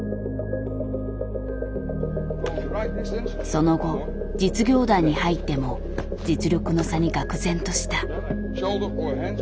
その後実業団に入っても実力の差にがく然とした。